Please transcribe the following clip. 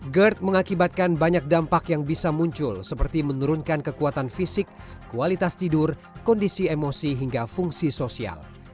gerd mengakibatkan banyak dampak yang bisa muncul seperti menurunkan kekuatan fisik kualitas tidur kondisi emosi hingga fungsi sosial